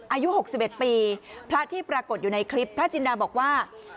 อายุ๖๑ปีพระที่ปรากฏอยู่ในคลิปพระจินดาบอกว่า